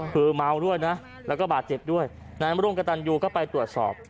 คือเมาด้วยนะแล้วก็บาดเจ็บด้วยนายมร่วมกับตันยูก็ไปตรวจสอบ